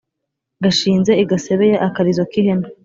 Gashinze i Gasebeya-Akarizo k'ihene.